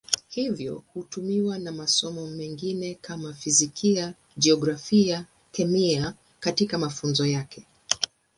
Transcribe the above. Hivyo hutumiwa na masomo mengine kama Fizikia, Jiografia, Kemia katika mafunzo yake.